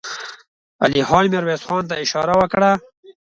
علی خان ميرويس خان ته اشاره وکړه.